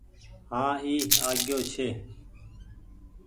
هآن اي آگيو ڇي۔